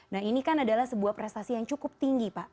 nah ini kan adalah sebuah prestasi yang cukup tinggi pak